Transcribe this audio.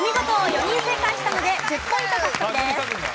４人正解したので１０ポイント獲得です。